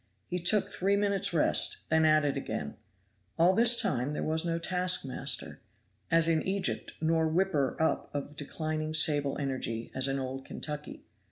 He took three minutes' rest, then at it again. All this time there was no taskmaster, as in Egypt, nor whipper up of declining sable energy, as in Old Kentucky.